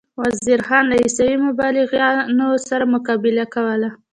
وزیر خان له عیسوي مبلغانو سره مقابله کوله.